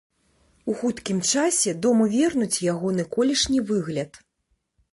У хуткім часе дому вернуць ягоны колішні выгляд.